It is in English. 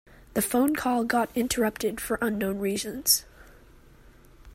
The phone call got interrupted for unknown reasons.